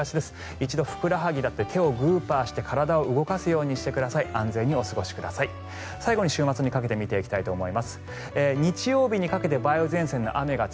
一度ふくらはぎだったり手をグーッとして体を動かすようにしてください。